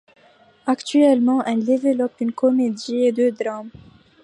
Actuellement, elle développe une comédie et deux drames.